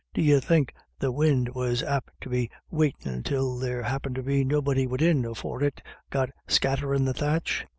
D'ye think the win' was apt to be waitin' till there happened to be nobody widin, afore it got scatterin' the thatch?